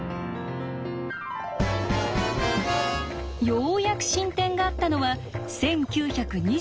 ようやく進展があったのは１９２８年。